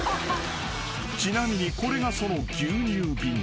［ちなみにこれがその牛乳瓶］